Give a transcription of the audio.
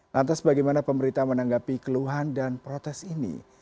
lantas bagaimana pemerintah menanggapi keluhan dan protes ini